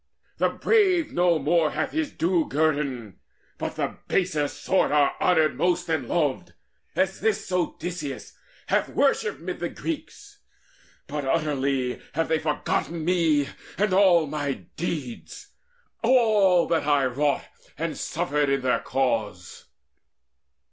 The brave no more Hath his due guerdon, but the baser sort Are honoured most and loved, as this Odysseus Hath worship mid the Greeks: but utterly Have they forgotten me and all my deeds, All that I wrought and suffered in their cause."